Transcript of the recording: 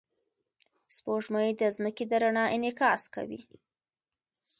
سپوږمۍ د ځمکې د رڼا انعکاس کوي